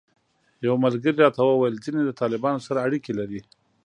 یو ملګري راته وویل ځینې د طالبانو سره اړیکې لري.